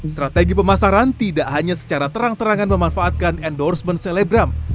strategi pemasaran tidak hanya secara terang terangan memanfaatkan endorsement selebgram